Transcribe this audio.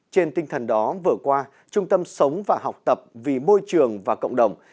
trên tinh thần đó vừa qua trung tâm sống và học tập vì môi trường và cộng đồng